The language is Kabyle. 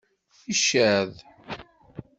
Icad!